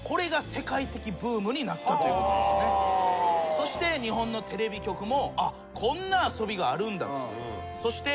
そして日本のテレビ局もこんな遊びがあるんだと。